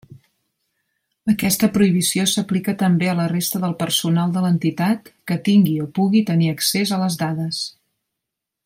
Aquesta prohibició s'aplica també a la resta del personal de l'entitat que tingui o pugui tenir accés a les dades.